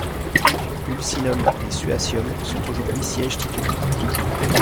Ulcinum et Suacium sont aujourd’hui sièges titulaires.